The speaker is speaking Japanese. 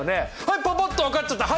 はいパパっと分かっちゃった。